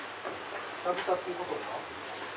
久々っていうことは？